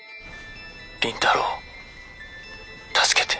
倫太郎助けて。